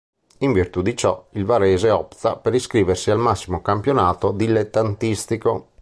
In virtù di ciò, il Varese opta per iscriversi al massimo campionato dilettantistico.